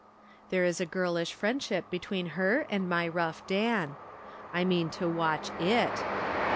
There is a girlish friend ship between her and my rough Dan. I mean to watch it.